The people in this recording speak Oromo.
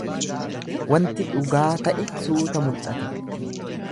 Wanti dhugaa ta'e suuta mul'ata.